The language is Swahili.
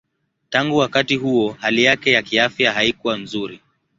Tangu wakati huo hali yake ya kiafya haikuwa nzuri.